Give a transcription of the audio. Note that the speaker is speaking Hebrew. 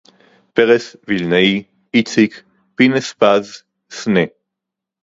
פרס, וילנאי, איציק, פינס-פז, סנה